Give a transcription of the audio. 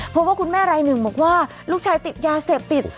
เพราะว่าคุณแม่รายหนึ่งบอกว่าลูกชายติดยาเสพติด